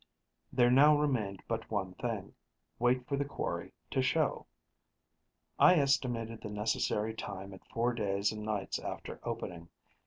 There now remained but one thing: wait for the quarry to show. I estimated the necessary time at four days and nights after opening.